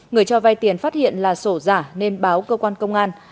người cho vay tiền phát hiện là sổ giả nên báo cơ quan công an